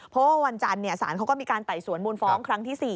เพราะว่าวันจันทร์สารเขาก็มีการไต่สวนมูลฟ้องครั้งที่๔